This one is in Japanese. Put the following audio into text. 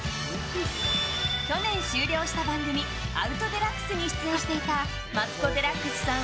去年終了した番組「アウト×デラックス」に出演していたマツコ・デラックスさん